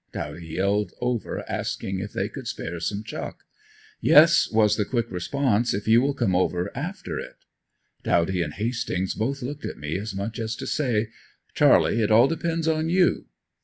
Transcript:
Dawdy yelled over asking if they could spare some chuck? "Yes" was the quick response, "If you will come over after it." Dawdy and Hastings both looked at me, as much as to say: "Charlie it all depends on you."